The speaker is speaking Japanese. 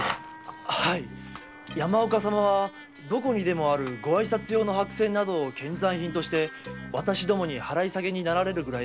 山岡様はどこにでもあるご挨拶用の白扇などを献残品として払い下げになられるぐらいでございます。